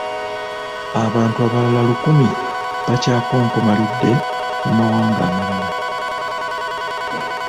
Abantu abalala lukumi bakyakonkomalidde mu mawanga amalala.